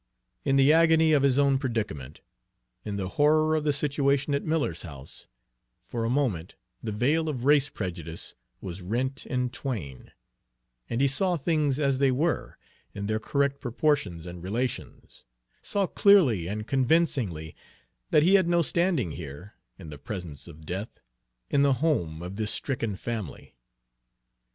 In the agony of his own predicament, in the horror of the situation at Miller's house, for a moment the veil of race prejudice was rent in twain, and he saw things as they were, in their correct proportions and relations, saw clearly and convincingly that he had no standing here, in the presence of death, in the home of this stricken family.